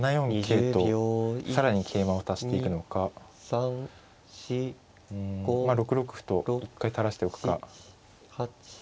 桂と更に桂馬を足していくのかうんまあ６六歩と一回垂らしておくか。